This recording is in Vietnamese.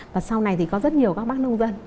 và sau này thì có rất nhiều các bác nông dân